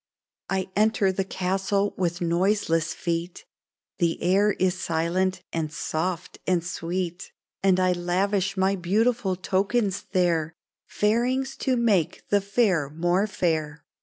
" I enter the castle with noiseless feet — The air is silent and soft and sweet ; And I lavish my beautiful tokens there — Fairings to make the fair more fair